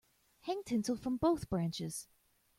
Hang tinsel from both branches.